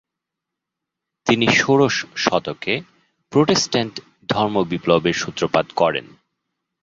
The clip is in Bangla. তিনি ষোড়শ শতকে প্রটেস্ট্যান্ট ধর্মবিপ্লবের সূত্রপাত করেন।